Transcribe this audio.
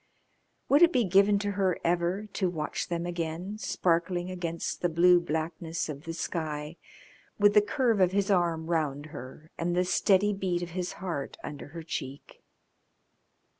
Would it be given to her ever to watch them again sparkling against the blue blackness of the sky, with the curve of his arm round her and the steady beat of his heart under her cheek?